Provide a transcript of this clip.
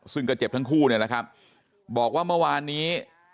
ซึ่งก็เจ็บทั้งคู่บอกว่าเมื่อวานนี้